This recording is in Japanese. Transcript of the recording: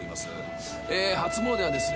初詣はですね